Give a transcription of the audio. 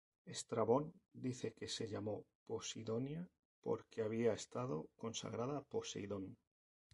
Estrabón dice que se llamó Posidonia porque había estado consagrada a Poseidón.